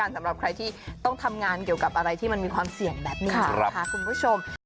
สำหรับใครที่ต้องทำงานเกี่ยวกับอะไรที่มันมีความเสี่ยงแบบนี้นะคะคุณผู้ชม